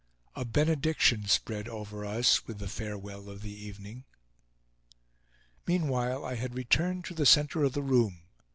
A benediction spread over us with the farewell of the evening. Meanwhile I had returned to the center of the room.